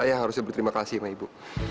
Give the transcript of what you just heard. saya harusnya berterima kasih sama ibu